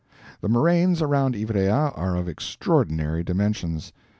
"The moraines around Ivrea are of extraordinary dimensions.